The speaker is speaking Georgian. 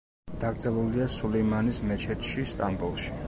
დაკრძალულია სულეიმანის მეჩეთში, სტამბოლში.